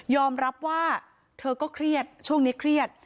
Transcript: รับว่าเธอก็เครียดช่วงนี้เครียด